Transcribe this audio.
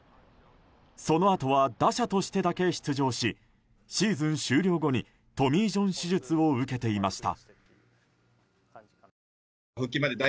そのあとは打者としてだけ出場しシーズン終了後にトミー・ジョン手術を受けていました。